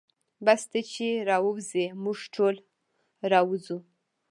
بس ته چې راووځې موږ ټول راوځو.